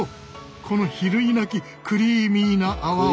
この比類なきクリーミーな泡を！